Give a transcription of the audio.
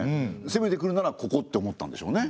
せめてくるならここって思ったんでしょうね。